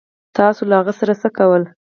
تاسو له هغه سره څه کول